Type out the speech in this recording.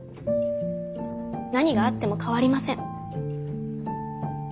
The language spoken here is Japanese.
何があっても変わりません。